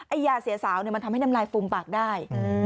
ไอ้ยาเสียสาวมันทำให้น้ำลายฟูมปากได้